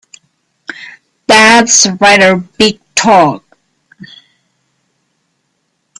That's rather big talk!